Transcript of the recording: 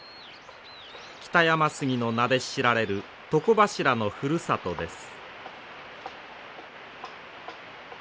北山杉の名で知られる床柱のふるさとです。